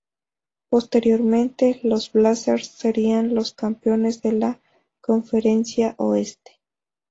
Posteriormente, los Blazers serían los campeones de la Conferencia Oeste.